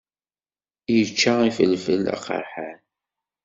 Yečča ifelfel aqeṛḥan.